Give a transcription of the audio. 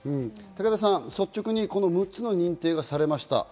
武田さん、率直に、この６つの認定がされました。